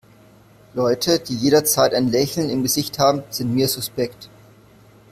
Leute, die jederzeit ein Lächeln im Gesicht haben, sind mir suspekt.